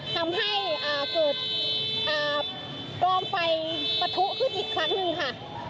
ทำให้เกิดกองไฟปะทุขึ้นอีกครั้งหนึ่งค่ะ